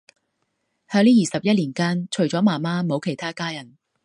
喺呢廿一年間，除咗媽媽冇其他家人